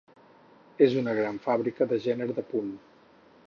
És una gran fàbrica de gènere de punt.